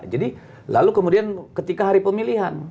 jadi lalu kemudian ketika hari pemilihan